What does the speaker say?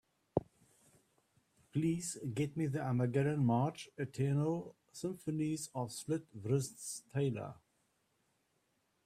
Please get me the Armageddon March Eternal – Symphonies of Slit Wrists trailer.